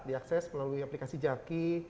diakses melalui aplikasi jaki